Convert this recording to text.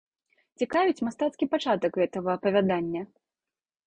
Цікавіць мастацкі пачатак гэтага апавядання.